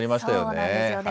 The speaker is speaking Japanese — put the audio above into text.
そうなんですよね。